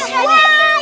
wow dari hampir